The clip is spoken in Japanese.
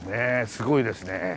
すごいですね